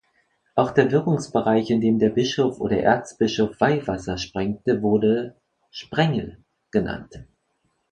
Auch der Wirkungsbereich, in dem der Bischof oder Erzbischof Weihwasser sprengte, wurde "Sprengel" genannt.